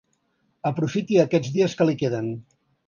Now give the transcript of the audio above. Aprofiti aquests dies que li queden.